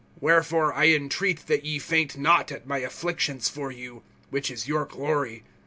(13)Wherefore I entreat that ye faint not at my afflictions for you, which is your glory.